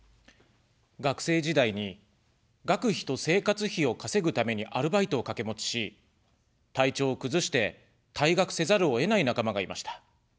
学生時代に、学費と生活費を稼ぐためにアルバイトをかけ持ちし、体調を崩して、退学せざるを得ない仲間がいました。